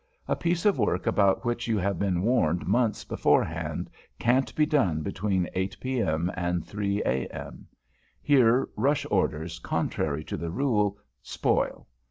A piece of work about which you have been warned months beforehand, can't be done between 8 p.m. and 3 a.m. Here "rush orders," contrary to the rule, spoil.